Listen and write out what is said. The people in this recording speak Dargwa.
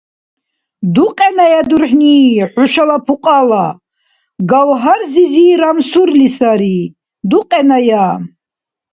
Дукьеная дурхӀни хӀушала пукьала! Гавгьар-зизи рамсурли сари. Дукьеная!